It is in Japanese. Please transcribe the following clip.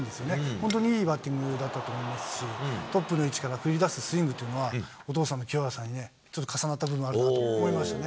本当にいいバッティングだったと思いますし、トップの位置から繰り出すスイングというのは、お父さんの清原さんにね、ちょっと重なった部分があるかなと思いますね。